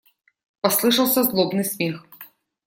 Послышался злобный смех.